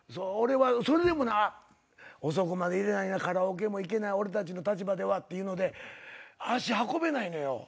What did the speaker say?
俺はそれでもな遅くまでいれないカラオケも行けない俺たちの立場ではっていうので足運べないのよ。